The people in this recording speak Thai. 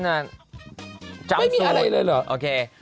ก็เป็นโบสถ์ซูนเหมือนไหมบอกแม่